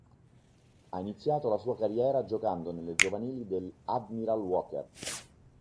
Ha iniziato la sua carriera giocando nelle giovanili del Admira Wacker.